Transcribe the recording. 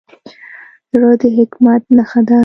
زړه د حکمت نښه ده.